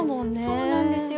そうなんですよ。